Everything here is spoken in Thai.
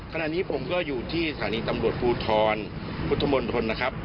ขณะนี้ผมก็อยู่ที่สถานีตำรวจภูทรพุทธมนตรนะครับ